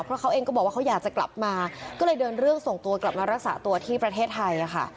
เพราะเขาเองก็บอกว่าเขาอยากจะกลับมาก็เลยเดินเรื่องส่งตัวกลับมารักษาตัวที่ประเทศไทยค่ะ